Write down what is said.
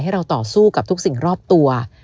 เราต่อสู้กับทุกสิ่งรอบตัว